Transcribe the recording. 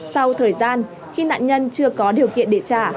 sau thời gian khi nạn nhân chưa có điều kiện để trả